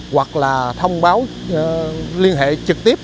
hoặc là thông báo liên hệ trực tiếp